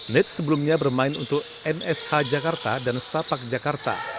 nate sebelumnya bermain untuk nsh jakarta dan stapak jakarta